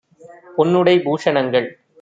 பொன்னுடை பூஷ ணங்கள்